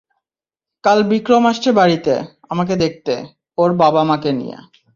কাল বিক্রম আসছে বাড়িতে, আমাকে দেখতে, ওর বাবা-মাকে নিয়ে।